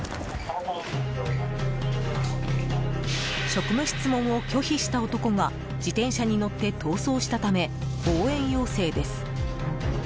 職務質問を拒否した男が自転車に乗って逃走したため応援要請です。